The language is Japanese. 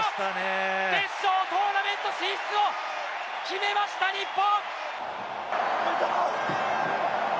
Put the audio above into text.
決勝トーナメント進出を決めました日本。